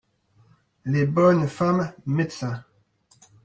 les bonnes femmes médecins.